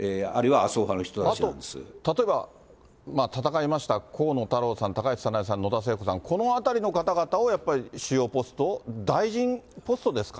あと例えば、戦いました、河野太郎さん、高市早苗さん、野田聖子さん、この辺りのかたがたをやっぱり主要ポスト、大臣ポ